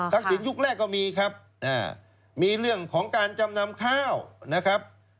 สินยุคแรกก็มีครับมีเรื่องของการจำนำข้าวนะครับ